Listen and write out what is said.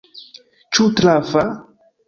Ĉu trafa?